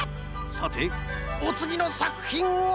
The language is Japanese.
さておつぎのさくひんは。